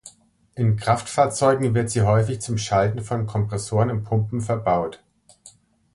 In Kraftfahrzeugen wird sie häufig zum Schalten von Kompressoren und Pumpen verbaut.